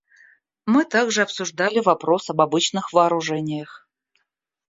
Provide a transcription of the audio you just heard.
Мы также обсуждали вопрос об обычных вооружениях.